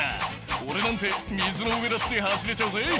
「俺なんて水の上だって走れちゃうぜ」